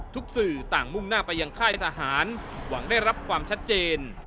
สื่อต่างมุ่งหน้าไปยังค่ายทหารหวังได้รับความชัดเจน